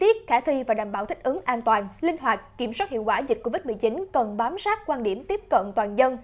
khả thi và đảm bảo thích ứng an toàn linh hoạt kiểm soát hiệu quả dịch covid một mươi chín cần bám sát quan điểm tiếp cận toàn dân